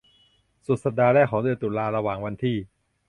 สุดสัปดาห์แรกของเดือนตุลาระหว่างวันที่